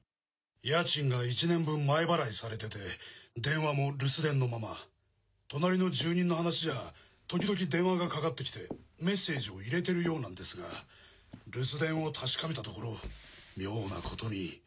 家賃が１年分前払いされてて電話も留守電のまま隣の住人の話じゃ時々電話がかかってきてメッセージを入れてるようなんですが留守電を確かめたところ妙なことに。